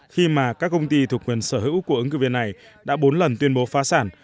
khi mà các công ty thuộc quyền sở hữu của ứng cử viên này đã bốn lần tuyên bố phá sản